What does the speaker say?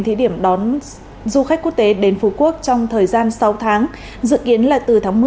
thí điểm đón du khách quốc tế đến phú quốc trong thời gian sáu tháng dự kiến là từ tháng một mươi